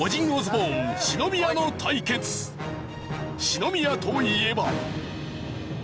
篠宮といえば。